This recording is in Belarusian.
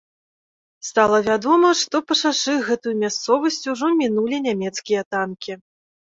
Стала вядома, што па шашы гэтую мясцовасць ужо мінулі нямецкія танкі.